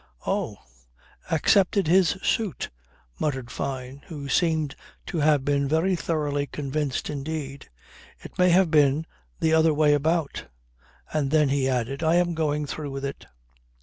"Oh! Accepted his suit," muttered Fyne, who seemed to have been very thoroughly convinced indeed. "It may have been the other way about." And then he added: "I am going through with it."